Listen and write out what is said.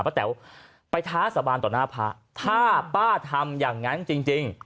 แต๋วไปท้าสาบานต่อหน้าพระถ้าป้าทำอย่างนั้นจริง